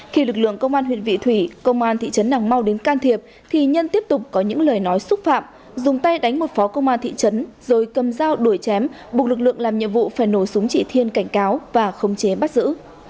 khi lực lượng công an huyện vị thủy công an thị trấn nàng mau đến can thiệp thì nhân tiếp tục có những lời nói xúc phạm dùng tay đánh một phó công an thị trấn rồi cầm dao đuổi chém buộc lực lượng làm nhiệm vụ phải nổ súng chị thiên cảnh cáo và khống chế bắt giữ